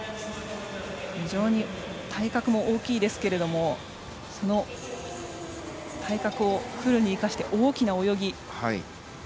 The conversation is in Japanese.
非常に体格も大きいですけれどもその体格をフルに生かして大きな泳ぎ。